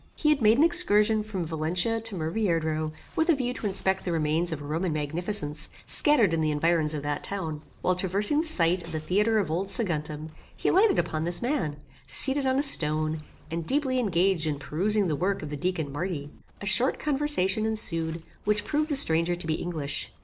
He had made an excursion from Valencia to Murviedro, with a view to inspect the remains of Roman magnificence, scattered in the environs of that town. While traversing the scite of the theatre of old Saguntum, he lighted upon this man, seated on a stone, and deeply engaged in perusing the work of the deacon Marti. A short conversation ensued, which proved the stranger to be English.